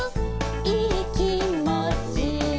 いいきもち」